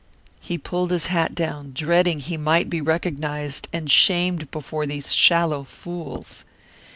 He pulled his hat down, dreading he might be recognized and shamed before these shallow fools.